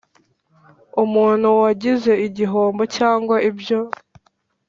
Umuntu wagize igihombo cyangwa ibyo